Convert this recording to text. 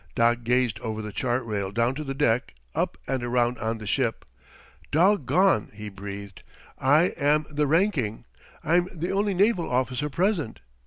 Doc gazed over the chart rail down to the deck, up and around on the ship. "Doggone!" he breathed. "I am the ranking I'm the only naval officer present."